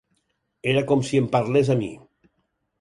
Era com si em parlés a mi.